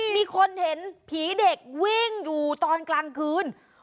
มีคนเห็นผีเด็กวิ่งอยู่ตอนกลางคืน